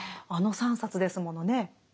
あの３冊ですものね。